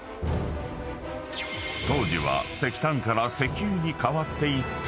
［当時は石炭から石油に変わっていった時代］